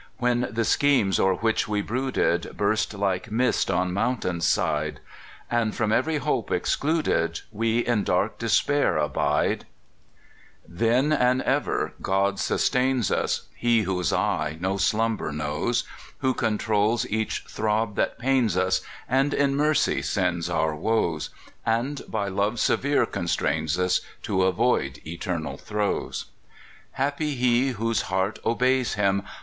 When the schemes o'er which we brooded Burst like mist on mountain's side, And, from ev'ry hope excluded, We in dark despair abide Then, and ever, God sustain us, He whose eve no slumber knows, Who controls each throb that pains us, And in mercy sends our woes, And by love severe constrains us To avoid eternal throes. Happy he whose heart obeys him!